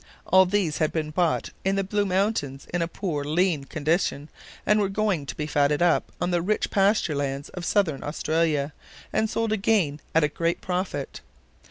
All these had been bought in the Blue Mountains in a poor, lean condition, and were going to be fatted up on the rich pasture lands of Southern Australia, and sold again at a great profit.